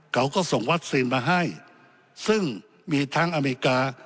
เขาก็ส่งวัคซีนมาให้ซึ่งมีทั้งอเมริกา